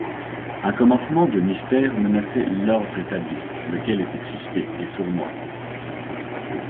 Un commencement de mystère menaçait « l’ordre établi », lequel était suspect et sournois.